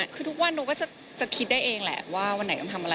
คือทุกวันหนูก็จะคิดได้เองแหละว่าวันไหนต้องทำอะไร